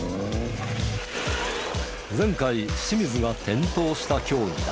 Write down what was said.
前回清水が転倒した競技だ。